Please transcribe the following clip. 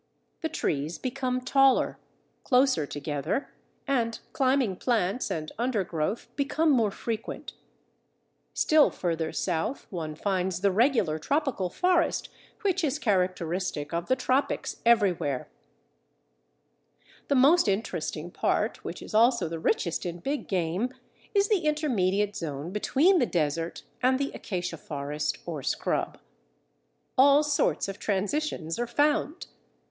The trees become taller, closer together, and climbing plants and undergrowth become more frequent. Still further south, one finds the regular tropical forest which is characteristic of the tropics everywhere. [Illustration: Photo G. F. GATHERING OLIVES IN THE SOUTH OF FRANCE] The most interesting part, which is also the richest in big game, is the intermediate zone between the desert and the acacia forest or scrub. All sorts of transitions are found.